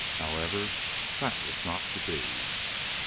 However, that was not to be!